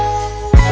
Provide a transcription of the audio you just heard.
terima kasih ya allah